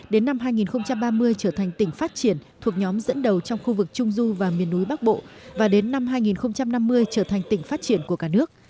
đến năm hai nghìn ba mươi trở thành tỉnh phát triển thuộc nhóm dẫn đầu trong khu vực trung du và miền núi bắc bộ và đến năm hai nghìn năm mươi trở thành tỉnh phát triển của cả nước